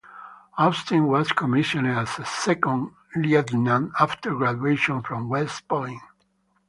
Austin was commissioned as a second lieutenant after graduation from West Point.